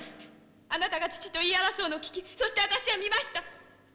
あなたが父と言い争うのを聞きそして私は見ました。